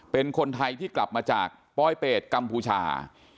เป็นคนไทยที่กลับมาจากปลอยเป็ดกัมพูชา